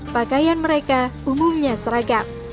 pakaian mereka umumnya seragam